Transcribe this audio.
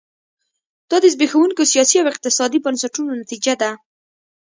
دا د زبېښونکو سیاسي او اقتصادي بنسټونو نتیجه ده.